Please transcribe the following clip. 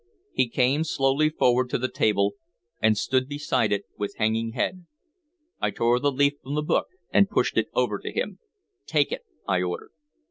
He came slowly forward to the table, and stood beside it with hanging head. I tore the leaf from the book and pushed it over to him. "Take it," I ordered.